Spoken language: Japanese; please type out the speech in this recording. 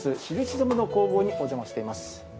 印染の工房にお邪魔しています。